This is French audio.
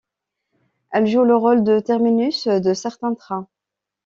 Elle joue le rôle de terminus de certains trains.